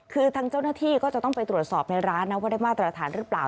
คือทางเจ้าหน้าที่ก็จะต้องไปตรวจสอบในร้านนะว่าได้มาตรฐานหรือเปล่า